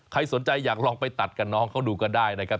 ใครสนใจอยากลองไปตัดกับน้องเขาดูก็ได้นะครับ